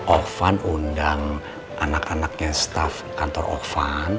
ovan undang anak anaknya staff kantor ovan